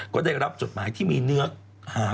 ก็ได้รับจดหมายที่มีเนื้อหา